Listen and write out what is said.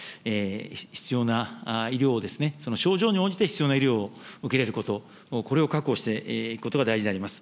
必要な医療を、その症状に応じて、必要な医療を受けれること、これを確保していくことが大事であります。